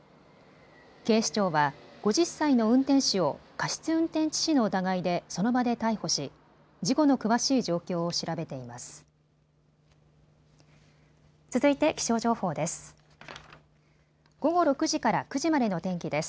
警視庁は５０歳の運転手を過失運転致死の疑いでその場で逮捕し、事故の詳しい状況を調べています。